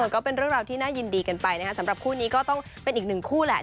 ก็เป็นเรื่องราวที่น่ายินดีกันไปนะครับสำหรับคู่นี้ก็ต้องเป็นอีกหนึ่งคู่แหละ